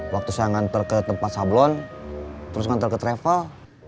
waktu saya nganter ke tempat sablon terus ngantar ke travel